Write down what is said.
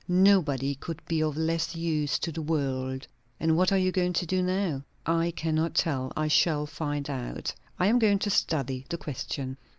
Nobody could be of less use to the world." "And what are you going to do now?" "I cannot tell. I shall find out. I am going to study the question."